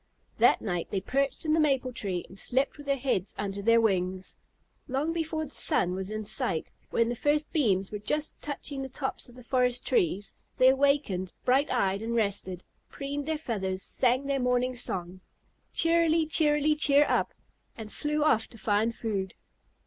That night they perched in the maple tree and slept with their heads under their wings. Long before the sun was in sight, when the first beams were just touching the tops of the forest trees, they awakened, bright eyed and rested, preened their feathers, sang their morning song, "Cheerily, cheerily, cheer up," and flew off to find food.